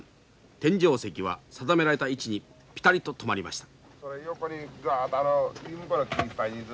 天井石は定められた位置にぴたりと止まりました。